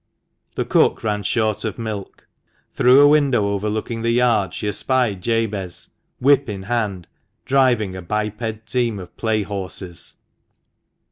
The cook ran short of milk. Through a window overlooking the yard she espied Jabez, whip in hand, driving a biped team of play horses.